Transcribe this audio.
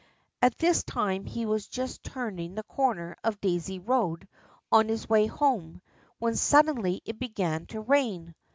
At this time he was just turning the corner of Daisy Road on his way home, when suddenly it began to rain.